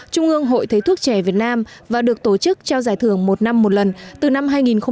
trung ương hội thấy thuốc trẻ việt nam và được tổ chức trao giải thưởng một năm một lần từ năm hai nghìn một mươi